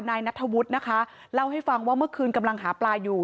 นายนัทธวุฒินะคะเล่าให้ฟังว่าเมื่อคืนกำลังหาปลาอยู่